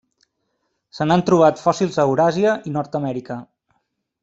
Se n'han trobat fòssils a Euràsia i Nord-amèrica.